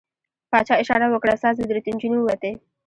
پاچا اشاره وکړه، ساز ودرېد، نجونې ووتې.